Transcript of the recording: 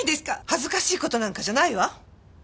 恥ずかしい事なんかじゃないわ！